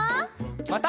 また。